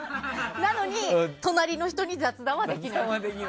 なのに隣の人に雑談はできない。